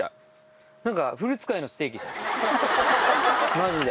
マジで。